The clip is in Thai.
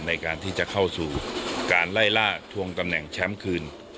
ในการที่จะเข้าสู่การไล่ล่าทวงตำแหน่งแชมป์คืน